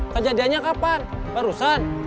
kejadiannya kapan barusan